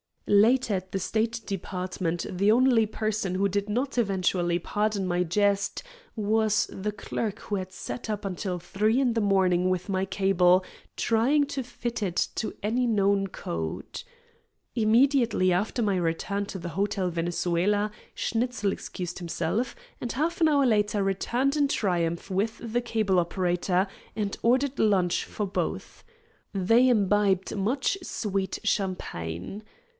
Later at the State Department the only person who did not eventually pardon my jest was the clerk who had sat up until three in the morning with my cable, trying to fit it to any known code. Immediately after my return to the Hotel Venezuela Schnitzel excused himself, and half an hour later returned in triumph with the cable operator and ordered lunch for both. They imbibed much sweet champagne.